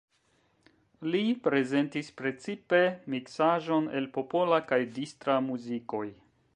Li prezentis precipe miksaĵon el popola kaj distra muzikoj.